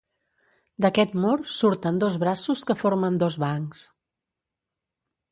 D'aquest mur surten dos braços que formen dos bancs.